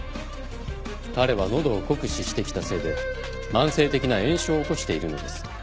彼は喉を酷使してきたせいで慢性的な炎症を起こしているのです。